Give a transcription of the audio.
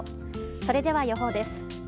それでは予報です。